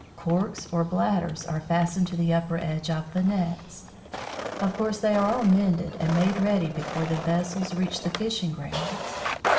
Corks or bladders are fastened to the upper edge of the nets. Of course they are all mended and made ready before the vessels reach the fishing grounds.